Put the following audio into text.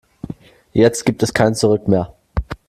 Jetzt gibt es kein Zurück mehr.